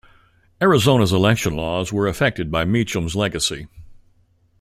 Arizona's election laws were affected by Mecham's legacy.